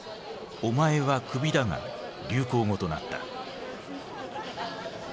「お前はクビだ！」が流行語となった。